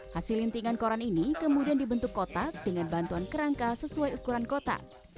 hasil lintingan koran ini kemudian dibentuk kotak dengan bantuan kerangka sesuai ukuran kota